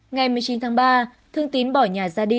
ngày một mươi chín tháng ba thương tín bỏ nhà ra đi